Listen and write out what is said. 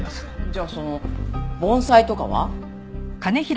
じゃあその盆栽とかは？